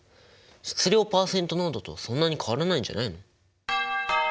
質量パーセント濃度とそんなに変わらないんじゃないの？